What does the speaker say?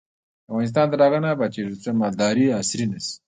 افغانستان تر هغو نه ابادیږي، ترڅو مالداري عصري نشي.